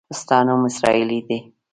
ستا نوم اسراییلي دی.